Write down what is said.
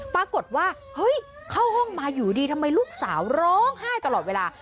ปรากฏว่าเฮ้ยเข้าห้องมาอยู่ดีทำไมลูกสาวร้องไห้ตลอดเวลา